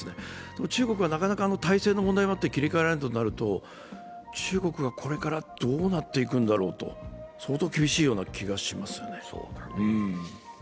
でも中国はなかなか体制の問題もあって切り替えられないとなると中国がこれからどうなっていくのだろうと、相当厳しいような気がしますね。